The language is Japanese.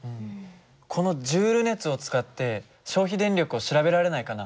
このジュール熱を使って消費電力を調べられないかな？